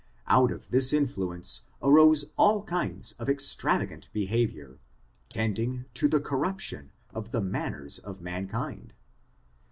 Out of this influence arose all I kinds of extravagant behavior, tending to the cor ruption of the manners of mankind.